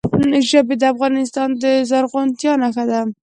ژبې د افغانستان د زرغونتیا نښه ده.